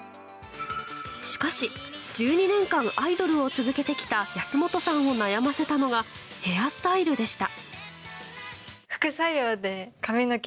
しかし、１２年間アイドルを続けてきた安本さんを悩ませたのがヘアスタイルでした。